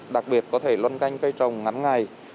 đặc biệt có thể luân canh cây trồng ngắn ngày